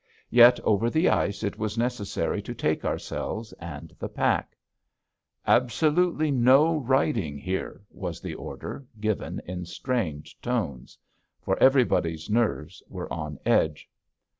Yet over the ice it was necessary to take ourselves and the pack. "Absolutely no riding here," was the order, given in strained tones. For everybody's nerves were on edge.